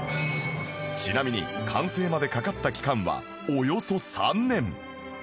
ちなみに完成までかかった期間はおよそ３年